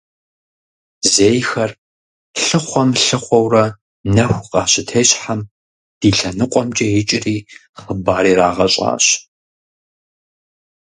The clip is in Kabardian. Зейхэр лъыхъуэм-лъыхъуэурэ нэху къащытещхьэм, ди лъэныкъуэмкӀэ икӀри хъыбар ирагъэщӀащ.